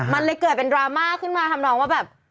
มันเลยเกิดเป็นดราม่าขึ้นมาทำนองว่าแบบ